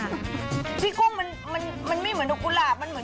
คนดูดิกุ้งมันไม่เหมือนดอกกุราบ